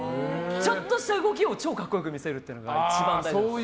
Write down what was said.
ちょっとした動きを超格好良く見せるっていうのがすごい大事なんです。